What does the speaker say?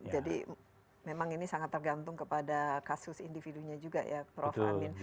jadi memang ini sangat tergantung kepada kasus individunya juga ya prof amin